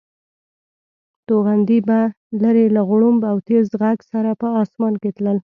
توغندي به لرې له غړومب او تېز غږ سره په اسمان کې تلل.